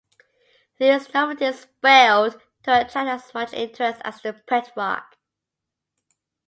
These novelties failed to attract as much interest as the Pet Rock.